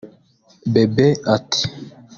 Bebe ati